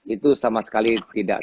itu sama sekali tidak